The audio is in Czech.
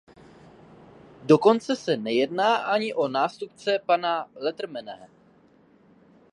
Dokonce se nejedná ani o nástupce pana Letermeho.